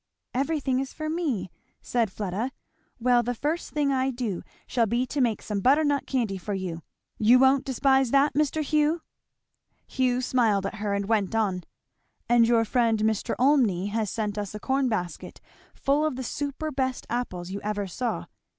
"Everything is for me," said Fleda. "Well, the first thing I do shall be to make some butternut candy for you. You won't despise that, Mr. Hugh?" Hugh smiled at her, and went on. "And your friend Mr. Olmney has sent us a corn basket full of the superbest apples you ever saw.